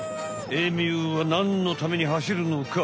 エミューはなんのためにはしるのか